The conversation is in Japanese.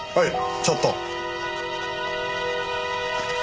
ちょっと。